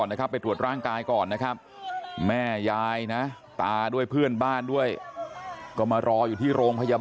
อุ้มขึ้นมาแล้วนะครับ